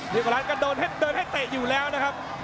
ลิโกรัสก็เดินให้เตะอยู่แล้วนะครับ